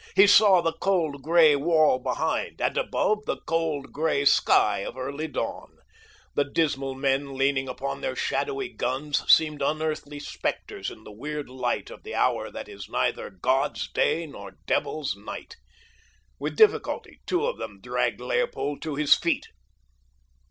He saw the cold, gray wall behind, and, above, the cold, gray sky of early dawn. The dismal men leaning upon their shadowy guns seemed unearthly specters in the weird light of the hour that is neither God's day nor devil's night. With difficulty two of them dragged Leopold to his feet.